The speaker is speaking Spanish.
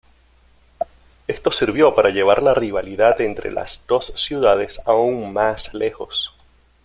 Esto sirvió para llevar la rivalidad entre las dos ciudades aún más lejos.